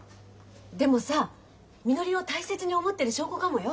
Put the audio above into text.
でもさみのりを大切に思ってる証拠かもよ。